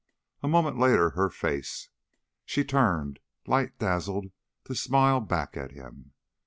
A moment later her face. She turned, light dazzled, to smile back at him.